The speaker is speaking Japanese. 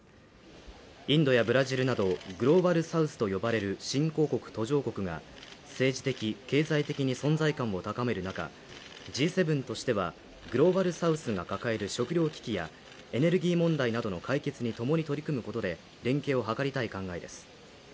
インドやブラジルなどグローバルサウスと呼ばれる新興国・途上国が政治的・経済的に存在感を高める中Ｇ７としてはグローバルサウスが抱える食糧危機やエネルギー問題などの解決に共に取り組むことで連携を図りたい考えです。